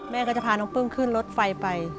แม่ก็จะพาน้องปึ้งขึ้นรถไฟไป